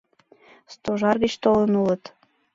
— Стожар гыч толын улыт.